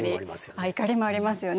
怒りもありますよね。